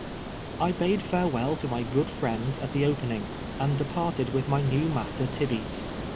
I bade tarewe'll to my ::;(>od friends at the opening, and departed with my neM' master Tibeats.